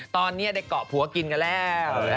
ตอนนี้ได้เกาะผัวกินกันแล้ว